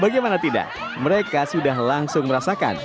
bagaimana tidak mereka sudah langsung merasakan